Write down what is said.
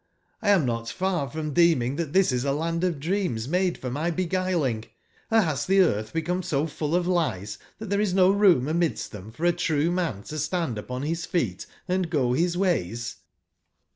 lam not far from deem ing tbat tbis is a land of dreams made for my be guiling. Or bas tbe eartb become so full of lies, tbat tbereisnoroomamidsttbemforatruemantostand upon bis feet & go bis ways?''